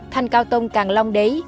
thanh cao tông càng long đế